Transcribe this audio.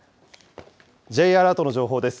Ｊアラートの情報です。